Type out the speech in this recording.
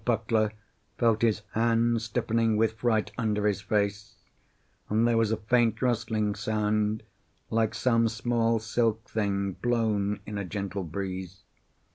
Puckler felt his hands stiffening with fright under his face; and there was a faint rustling sound, like some small silk thing blown in a gentle breeze.